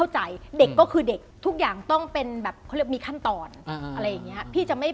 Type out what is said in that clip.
อะไรอย่างนี้